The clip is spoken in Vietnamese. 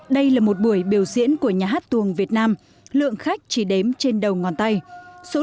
đây là một buổi biểu diễn của nhà hát tuồng việt nam lượng khách chỉ đếm trên đầu ngón tay